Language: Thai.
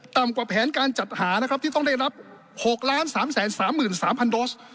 กว่าแผนการจัดหานะครับที่ต้องได้รับ๖๓๓๓๐๐โดส